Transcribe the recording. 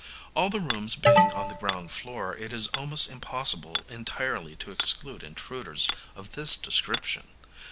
All the rooms being on the ground floor, it is almost impossible entirely to exclude intruders of this description.